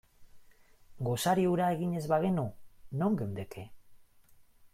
Gosari hura egin ez bagenu, non geundeke?